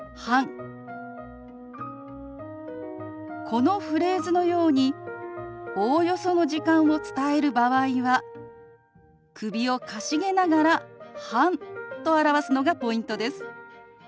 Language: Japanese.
このフレーズのようにおおよその時間を伝える場合は首をかしげながら「半」と表すのがポイントです。